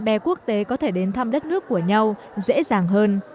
bè quốc tế có thể đến thăm đất nước của nhau dễ dàng hơn